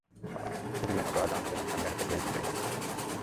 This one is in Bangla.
প্রতিদিনের মতো আজও আমেনা বেগম স্বামীর হাত থেকে ব্যাগ নিতে গেলেন।